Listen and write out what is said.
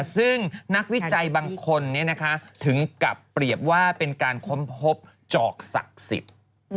ซึ่งนักวิจัยบางคนถึงกลับเปรียบว่าเป็นการค้นพบจอกศักดิ์สิทธิ์